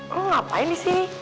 lo ngapain disini